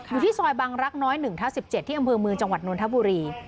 อยู่ที่ซอยบังรักน้อย๑ทับ๑๗ที่อำเภอเมืองจังหวัดนทบุรี